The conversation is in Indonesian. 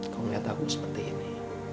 kalo ngeliat aku seperti ini